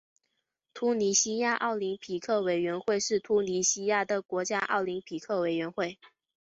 突尼西亚奥林匹克委员会是突尼西亚的国家奥林匹克委员会。